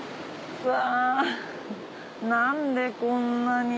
うわ何でこんなに。